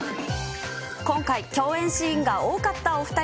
今回、共演シーンが多かったお２人。